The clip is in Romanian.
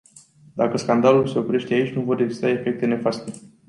Dacă scandalul se oprește aici, nu vor exista efecte nefaste.